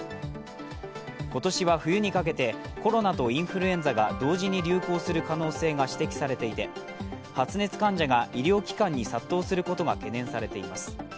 今年は冬にかけてコロナとインフルエンザが同時に流行する可能性が指摘されていて、発熱患者が医療機関に殺到することが懸念されています。